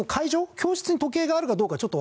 教室に時計があるかどうかわからない。